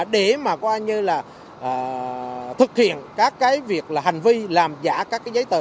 để mà coi như là thực hiện các cái việc là hành vi làm giả các cái giấy tờ